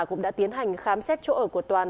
cũng đã tiến hành khám xét chỗ ở của toàn